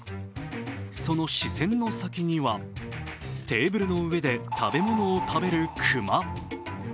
その視線の先にはテーブルの上で食べ物を食べる熊。